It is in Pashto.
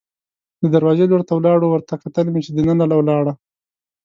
د دروازې لور ته ولاړو، ورته کتل مې چې دننه ولاړه.